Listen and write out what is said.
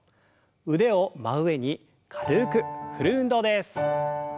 腕を真上に軽く振る運動です。